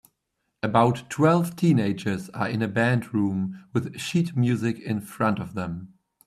About twelve teenagers are in a band room with sheet music in front of them.